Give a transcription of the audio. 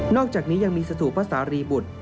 อกจากนี้ยังมีสถูพระสารรีบุตร